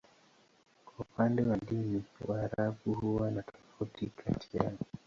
Kwa upande wa dini, Waarabu huwa na tofauti kati yao.